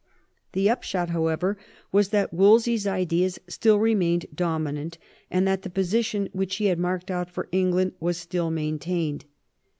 The upshot, how ever, was that Wolsey's ideas still remained dominant, and that the position which he had marked out for England was still maintained.